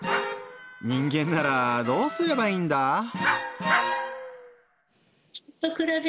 人間ならどうすればいいんだぁ？